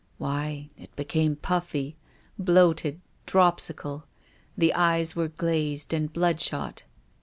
"Why, it became puffy, bloated, drojisical. The eyes were glazed and bloodshot.